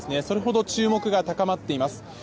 それほど注目が高まっています。